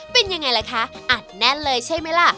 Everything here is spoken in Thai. เป็นยังไงล่ะคะอัดแน่นเลยใช่ไหมล่ะ